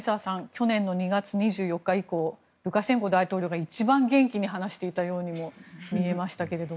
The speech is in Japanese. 去年の２月２４日以降ルカシェンコ大統領が一番元気に話していたようにも見えましたけど。